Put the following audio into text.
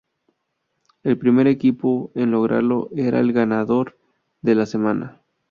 El primer equipo en lograrlo era el ganador de la semana.